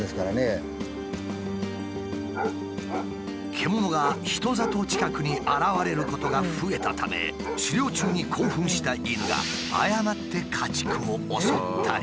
獣が人里近くに現れることが増えたため狩猟中に興奮した犬が誤って家畜を襲ったり。